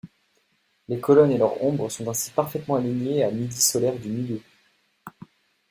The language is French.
Les colonnes et leur ombre sont ainsi parfaitement alignées à midi solaire du lieu.